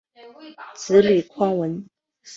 子李匡文。